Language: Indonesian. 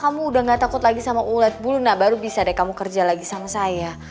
kamu udah gak takut lagi sama ulat bulu nah baru bisa deh kamu kerja lagi sama saya